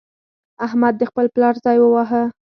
احمد د خپل پلار ځای وواهه.